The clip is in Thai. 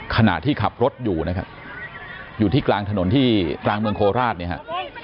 ขณะที่ขับรถอยู่นะครับอยู่ที่กลางถนนที่กลางเมืองโคราชเนี่ยฮะ